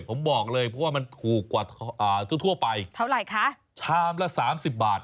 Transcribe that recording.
ผมบอกเลยเพราะว่ามันถูกกว่าทั่วไปเท่าไหร่คะชามละสามสิบบาท